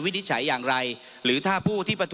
ผมวินิจฉัยแล้วตะกี้นี้ว่าอ่ะ